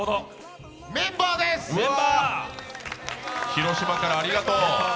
広島からありがとう。